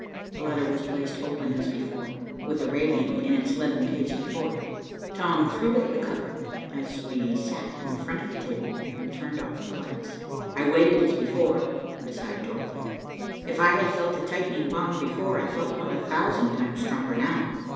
The letter was placed open as before, with the radium in its leaden case before it. Tom threw back the cover, as we sat in front of the table, and turned off the lights. I waited as before, beside Dorothy. If I had felt a tightening bond before, I felt one a thousand times stronger now.